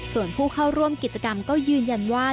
ส่วนผู้เข้าร่วมกิจกรรมก็ยืนยันว่า